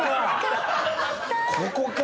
ここか。